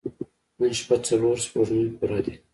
نن شپه څلور سپوږمۍ پوره دي.